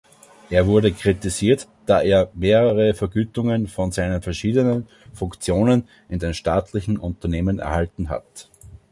Er wurde kritisiert, da er mehrere Vergütungen von seinen verschiedenen Funktionen in den staatlichen Unternehmen erhalten hat.